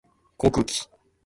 航空機